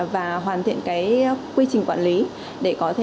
và hoàn thiện quy trình quản lý để có thể